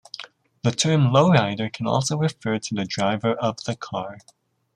The term "lowrider" can also refer to the driver of the car.